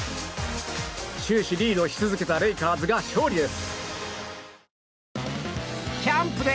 終始リードし続けたレイカーズが勝利です。